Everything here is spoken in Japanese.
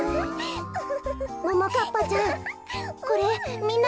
ももかっぱちゃん